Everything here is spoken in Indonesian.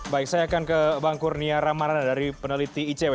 baik saya akan ke mbak angkurnia ramadhan dari peneliti icw